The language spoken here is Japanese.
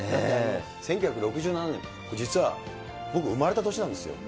１９６７年、実は僕、生まれた年なんですよ。